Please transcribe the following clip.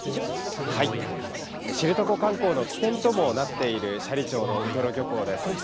知床半島の起点ともなっている斜里町のウトロ漁港です。